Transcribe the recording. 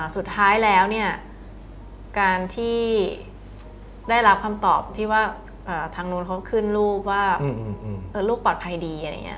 สุดท้ายแล้วการที่ได้รับคำตอบที่ว่าทางโน้นเขาขึ้นรูปว่าลูกปลอดภัยดี